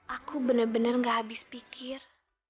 aku bener bener gak habis pikir